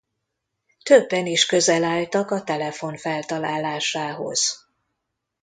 Többen is közel álltak a telefon feltalálásához.